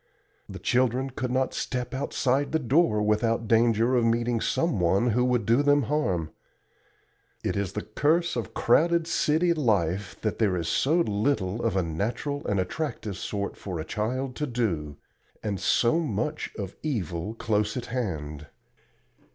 The children could not step outside the door without danger of meeting some one who would do them harm. It is the curse of crowded city life that there is so little of a natural and attractive sort for a child to do, and so much of evil close at hand.